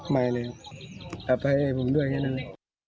ไม่เลยครับอภัยให้ผมด้วยแค่นั้น